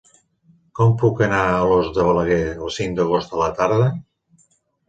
Com puc anar a Alòs de Balaguer el cinc d'agost a la tarda?